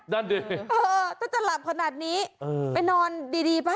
นั่นดิเออถ้าจะหลับขนาดนี้ไปนอนดีดีป่ะ